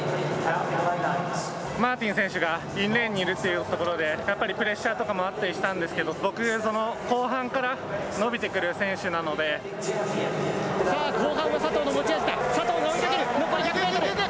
マーティン選手がインレーンにいるというところでやっぱりプレッシャーとかもあったりしたんですけど、僕、後半から伸びてくさあ、後半が佐藤の持ち味だ。